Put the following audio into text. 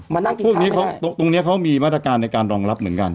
มานั่งกินข้าวไม่ได้พรุ่งนี้เขาตรงนี้เขามีมาตรการในการรองรับเหมือนกัน